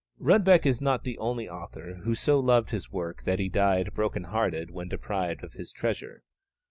Rudbeck is not the only author who so loved his work that he died broken hearted when deprived of his treasure.